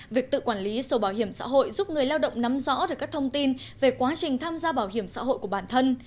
việc tự quản lý sổ bảo hiểm xã hội giúp người lao động nắm rõ được các thông tin về quá trình tham gia bảo hiểm xã hội của bản thân